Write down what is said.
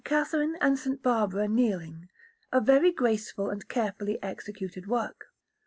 Catherine and S. Barbara kneeling, a very graceful and carefully executed work.